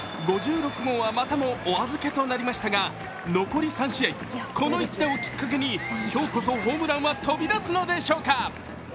５６号はまたもお預けとなりましたが、残り３試合、この１打をきっかけに今日こそホームランは飛び出すのでしょうか。